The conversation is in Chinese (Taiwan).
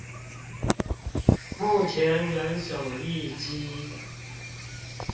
目前人手一機